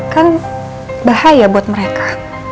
kan bahaya buat mereka